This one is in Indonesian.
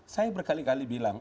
saya berkali kali bilang